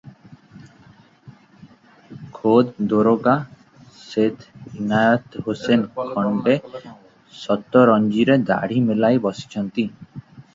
ଖୋଦ୍ ଦାରୋଗା ସେଖ୍ ଇନାଏତ୍ ହୋସେନ ଖଣ୍ତେ ସତରଞ୍ଜିରେ ଦାଢ଼ି ମେଲାଇ ଦେଇ ବସିଛନ୍ତି ।